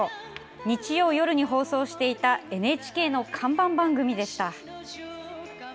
日曜夜に放送していたＮＨＫの看板番組でした。